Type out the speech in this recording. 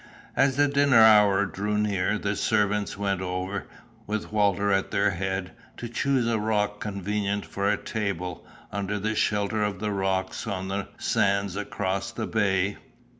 As the dinner hour drew near, the servants went over, with Walter at their head, to choose a rock convenient for a table, under the shelter of the rocks on the sands across the bay.